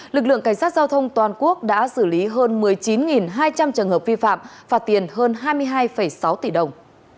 lực lượng cảnh sát giao thông toàn quốc đã xử lý hơn một mươi chín hai trăm linh trường hợp vi phạm phạt tiền hơn hai mươi hai sáu tỷ đồng